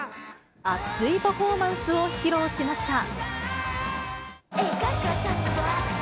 熱いパフォーマンスを披露しました。